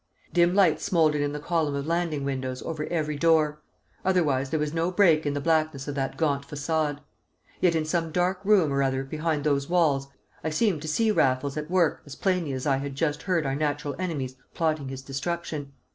Dim lights smouldered in the column of landing windows over every door; otherwise there was no break in the blackness of that gaunt façade. Yet in some dark room or other behind those walls I seemed to see Raffles at work as plainly as I had just heard our natural enemies plotting his destruction.